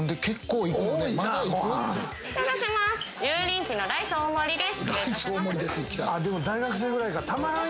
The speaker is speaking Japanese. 油淋鶏のライス大盛りです。